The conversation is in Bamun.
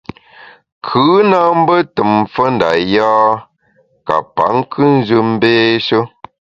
Kù na mbe tùm mfe nda yâ ka pa nkùnjù mbééshe.